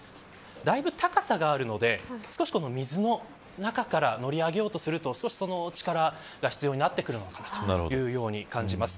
だいぶ高さがあるので少し水の中から乗り上げようとすると少し、その力が必要になってくるのかなと感じます。